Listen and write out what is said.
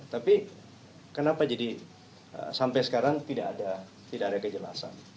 tapi kenapa jadi sampai sekarang tidak ada kejelasan